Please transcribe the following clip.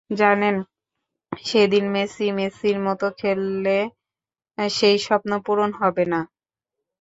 জানেন, সেদিন মেসি মেসির মতো খেললে সেই স্বপ্ন পূরণ হবে না।